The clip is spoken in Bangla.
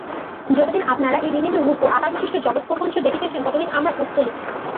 যতদিন আপনারা এই বিভিন্ন রূপ ও আকারবিশিষ্ট জগৎপ্রপঞ্চ দেখিতেছেন, ততদিন আপনারা পৌত্তলিক।